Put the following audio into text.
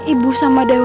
ibu sama dewa